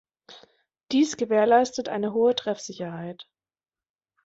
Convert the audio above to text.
Dies gewährleistet eine hohe Treffsicherheit.